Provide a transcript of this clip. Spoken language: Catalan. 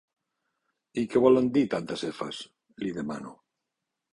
I què volen dir tantes efes? —li demano.